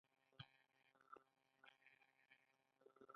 آیا په لویو ښارونو کې کورونه ګران نه دي؟